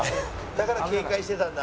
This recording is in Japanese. だから警戒してたんだ。